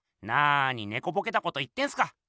なにねこぼけたこと言ってんすか！